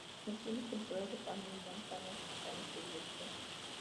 En la segunda temporada de Hannah Montana sus padres se divorciaron.